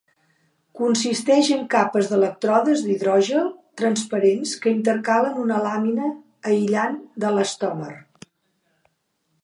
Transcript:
Consisteix en capes d'elèctrodes d'hidrogel transparents que intercalen una làmina aïllant d'elastòmer.